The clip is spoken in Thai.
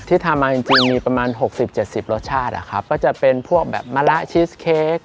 ที่ทำมาจริงจริงมีประมาณหกสิบเจ็ดสิบรสชาติอ่ะครับก็จะเป็นพวกแบบมะละชีสเค้ก